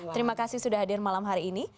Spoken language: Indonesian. terima kasih sudah hadir malam hari ini